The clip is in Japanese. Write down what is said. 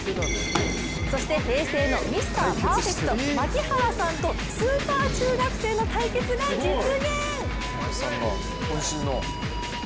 そして平成のミスターパーフェクト・槙原さんとスーパー中学生の対決が実現。